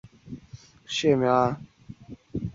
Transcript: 重檐歇山顶的拜亭。